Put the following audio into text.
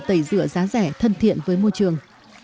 tẩy rửa giá rẻ thân thiện với môi trường